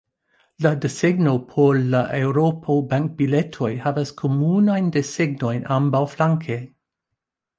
La desegno por la Eŭro-bankbiletoj havas komunajn desegnojn ambaŭflanke.